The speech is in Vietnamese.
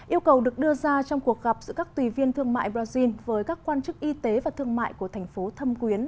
yêu cầu được đưa ra trong cuộc gặp giữa các tùy viên thương mại brazil với các quan chức y tế và thương mại của thành phố thâm quyến